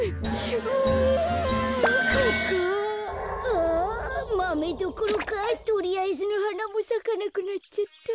あマメどころかとりあえずのはなもさかなくなっちゃった。